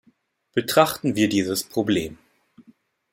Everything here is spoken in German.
Betrachten wir dieses Problem.